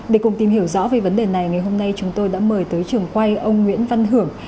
để cùng tìm hiểu rõ về vấn đề này ngày hôm nay chúng tôi đã mời tới trường quay ông nguyễn văn hưởng